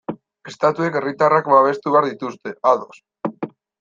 Estatuek herritarrak babestu behar dituzte, ados.